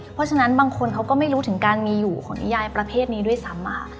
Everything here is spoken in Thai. เพราะฉะนั้นบางคนเขาก็ไม่รู้ถึงการมีอยู่ของนิยายประเภทนี้ด้วยซ้ำ